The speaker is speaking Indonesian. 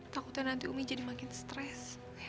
takutnya nanti umi jadi makin stres